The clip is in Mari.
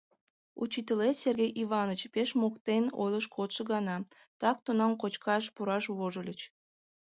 Учитылет, Сергей Иваныч, пеш моктен ойлыш кодшо гана, так тунам кочкаш пураш вожыльыч...